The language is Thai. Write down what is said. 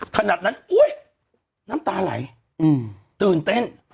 ถนัดนั้นน้ำตาไหลตื่นเต้น